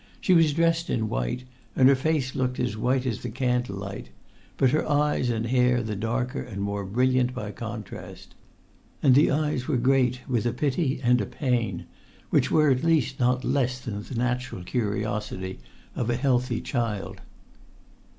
She was dressed in white, and her face looked as white in the candle light, but her eyes and hair the darker and more brilliant by contrast. And the eyes were great with a pity and a pain which were at least not less than the natural curiosity of a healthy child.